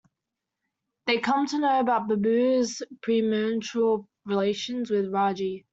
They come to know about Babu's premarital relations with Raji.